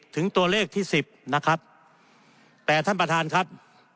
ถึงตัวเลขที่สิบนะครับแต่ท่านประธานครับ